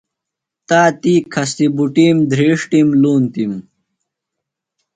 تا تی کھستی بٹُم دھریݜتِم۔ لُونتم ۔